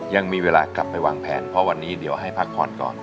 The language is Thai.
ยังมีเวลากลับไปวางแผนเพราะวันนี้เดี๋ยวให้พักผ่อนก่อน